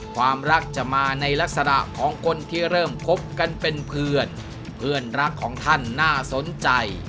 ความรักจะมาในลักษณะของคนที่เริ่มคบกันเป็นเพื่อนเพื่อนรักของท่านน่าสนใจ